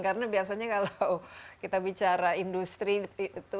karena biasanya kalau kita bicara industri itu